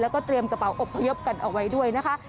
แล้วก็เตรียมกระเป๋าอบพยพกันเอาไว้ด้วยนะคะ